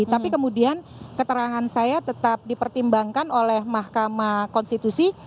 tapi kemudian keterangan saya tetap dipertimbangkan oleh mahkamah konstitusi